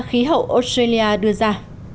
khí hậu australia đưa ra